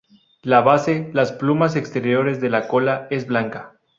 La base las plumas exteriores de la cola es blanca.